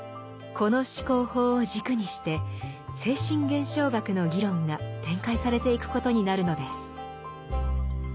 この思考法を軸にして「精神現象学」の議論が展開されていくことになるのです。